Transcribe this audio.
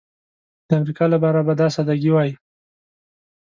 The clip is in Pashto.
د امریکا لپاره به دا سادګي وای.